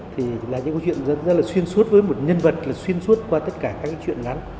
thì là những câu chuyện rất là xuyên suốt với một nhân vật xuyên suốt qua tất cả các chuyện ngắn